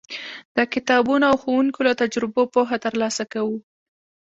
د کتابونو او ښوونکو له تجربو پوهه ترلاسه کوو.